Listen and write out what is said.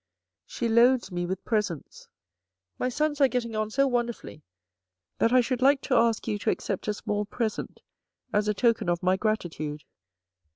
She loads me with presents My sons are getting on so wonderfully that I should like to ask you to accept a small present as a token of my gratitude.